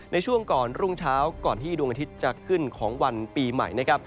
ในช่วงก่อนรุ่งเช้าก่อนที่ดวงอาทิตย์จะขึ้นของวันปีใหม่นะครับ